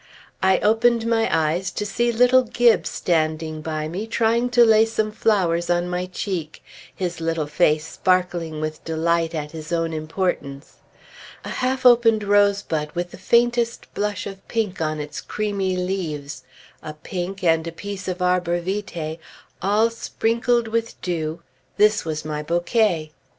I opened my eyes to see little Gibbes standing by me, trying to lay some flowers on my cheek, his little face sparkling with delight at his own importance. A half opened rosebud with the faintest blush of pink on its creamy leaves a pink, and a piece of arbor vitæ, all sprinkled with dew, this was my bouquet.